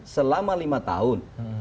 selama lima tahun